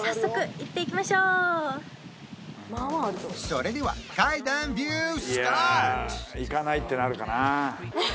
それではいや行かないってなるかな